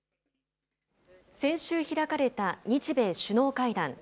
先週開かれた日米首脳会談。